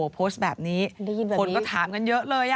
โพสต์แบบนี้คนก็ถามกันเยอะเลย